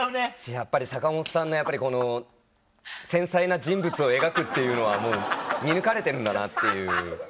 やっぱり坂元さんのこの繊細な人物を描くっていうのはもう見抜かれてるんだなっていう。